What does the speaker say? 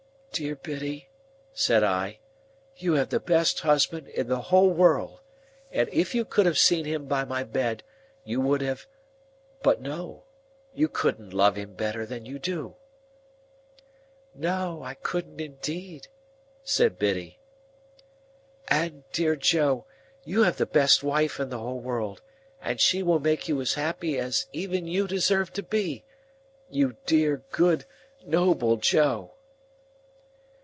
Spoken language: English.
"Dear Biddy," said I, "you have the best husband in the whole world, and if you could have seen him by my bed you would have—But no, you couldn't love him better than you do." "No, I couldn't indeed," said Biddy. "And, dear Joe, you have the best wife in the whole world, and she will make you as happy as even you deserve to be, you dear, good, noble Joe!"